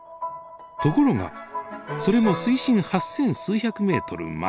ところがそれも水深八千数百ｍまで。